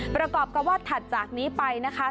ประกอบกับว่าถัดจากนี้ไปนะคะ